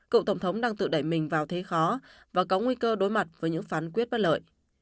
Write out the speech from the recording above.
cựu tổng thống đang tự đẩy mình vào thế khó và có nguy cơ đối mặt với những phán quyết bất lợi